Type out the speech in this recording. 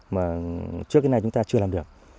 mà trước cái này chúng ta chưa làm được